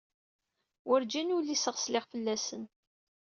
Werǧin uliseɣ sliɣ fell-asen.